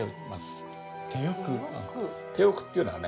手浴っていうのはね